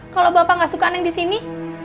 kalau bapak gak suka neng disini